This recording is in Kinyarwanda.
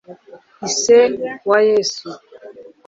ise wa Yezu